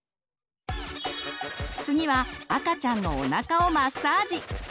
次は赤ちゃんのおなかをマッサージ！